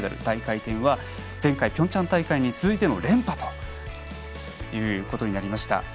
大回転は前回ピョンチャン大会に続いての連覇となりました。